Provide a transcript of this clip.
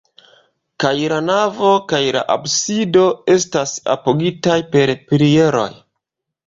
Kaj la navo kaj la absido estas apogitaj per pilieroj.